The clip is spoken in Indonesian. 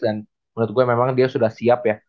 dan menurut gue memang dia sudah siap ya